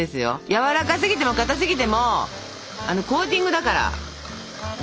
やわらかすぎてもかたすぎてもコーティングだからダメなんですよ。